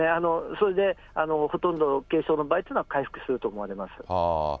それで、ほとんどの軽症の場合というのは回復すると思われます。